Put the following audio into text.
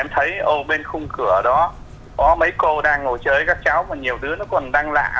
em thấy ô bên khung cửa đó có mấy cô đang ngồi chơi với các cháu mà nhiều đứa nó còn đang lạ